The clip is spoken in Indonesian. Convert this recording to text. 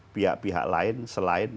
pihak pihak lain selain